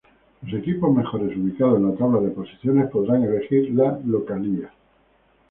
Los equipos mejores ubicados en la tabla de posiciones podrán elegir la localía.